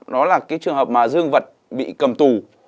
nó là cái trường hợp mà dương vật bị cầm tù